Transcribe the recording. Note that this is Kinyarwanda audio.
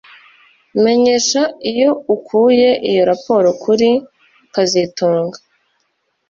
Menyesha iyo ukuye iyo raporo kuri kazitunga